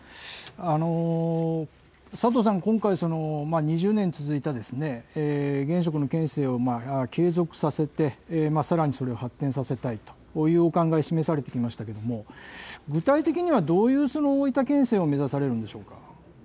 佐藤さん、今回、２０年続いた現職の県政を継続させて、さらにそれを発展させたいというお考え、示されてきましたけれども、具体的には、どういう大分県政を目指されるんでしょうか。